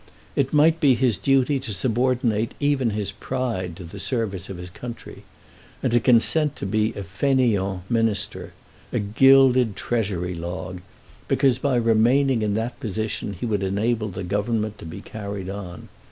It might be his duty to subordinate even his pride to the service of his country, and to consent to be a fainéant minister, a gilded Treasury log, because by remaining in that position he would enable the Government to be carried on.